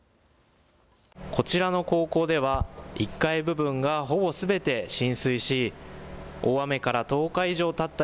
こちらの高校では１階部分がほぼすべて浸水し、大雨から１０日以上たった